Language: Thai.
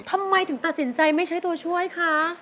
ทำไมถึงตัดสินใจไม่ใช้ตัวช่วยคะ